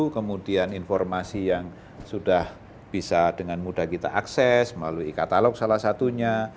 kemudian informasi yang sudah bisa dengan mudah kita akses melalui e katalog salah satunya